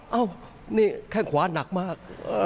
เอ้านี่แข้งขวาหนักมาก